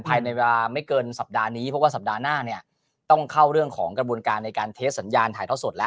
ภายในเวลาไม่เกินสัปดาห์นี้เพราะว่าสัปดาห์หน้าเนี่ยต้องเข้าเรื่องของกระบวนการในการเทสสัญญาณถ่ายท่อสดแล้ว